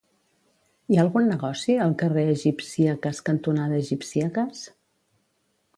Hi ha algun negoci al carrer Egipcíaques cantonada Egipcíaques?